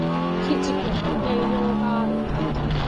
ひじきは栄養がある